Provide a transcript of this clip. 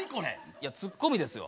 いやツッコミですよ。